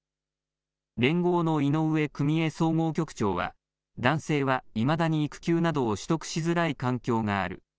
連合の井上久美枝総合局長は男性はいまだに育休などを取得しづらい環境がある。